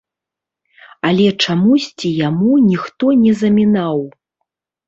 Але чамусьці яму ніхто не замінаў.